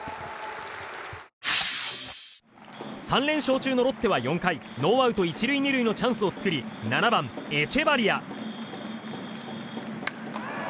３連勝中のロッテは４回ノーアウト１塁２塁のチャンスを作り７番、エチェバリア。